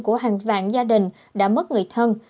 của hàng vạn gia đình đã mất người thân